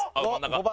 ５番。